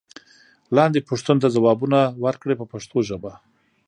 لاندې پوښتنو ته ځوابونه ورکړئ په پښتو ژبه.